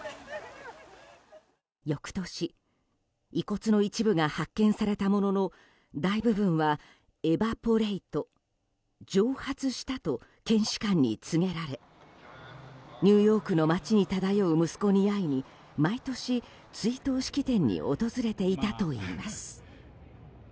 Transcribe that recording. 翌年、遺骨の一部が発見されたものの大部分はエバポレート・蒸発したと検視官に告げられニューヨークの街に漂う息子に会いに毎年、追悼式典に訪れていたといいます。